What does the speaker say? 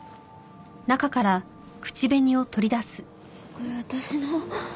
これ私の。